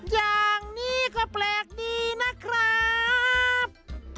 อย่างนี้ก็แปลกดีนะครับ